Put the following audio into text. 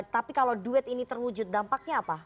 tapi kalau duet ini terwujud dampaknya apa